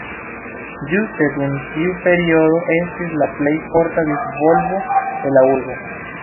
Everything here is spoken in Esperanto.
Ĝuste dum tiu periodo estis la plej forta disvolvo de la urbo.